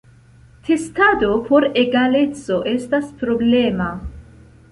Testado por egaleco estas problema.